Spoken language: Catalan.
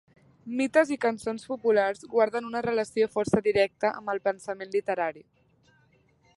Mites i cançons populars guarden una relació força directa amb el pensament literari.